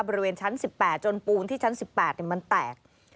บริเวณชั้น๑๘จนปูนที่ชั้น๑๘มันแตก